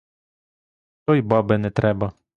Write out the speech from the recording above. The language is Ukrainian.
То й баби не треба!